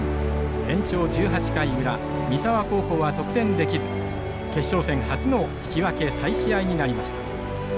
延長１８回裏三沢高校は得点できず決勝戦初の引き分け再試合になりました。